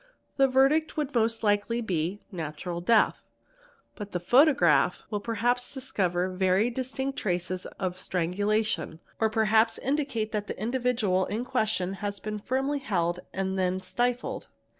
The verdict would most likely be "natural death'', but the photograph will perhaps discover very distinct traces of strangulation or perhaps indicate that the individual in question has been firmly held and then stifled.